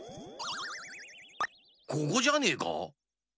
ここじゃねえか？